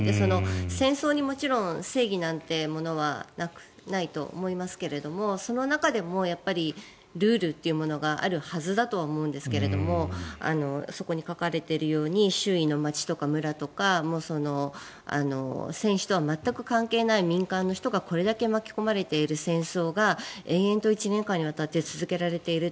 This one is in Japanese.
戦争にもちろん正義なんてものはないと思いますけれどその中でもルールというものがあるはずだとは思うんですがそこに書かれているように周囲の町とか村とか戦争とは全く関係のない民間の人がこれだけ巻き込まれている戦争が延々と１年間にわたって続けられているって。